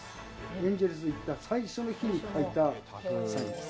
エンゼルスに行った最初の日に書いたサインです。